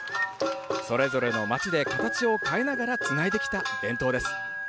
それぞれの町で形を変えながらつないできた伝統です。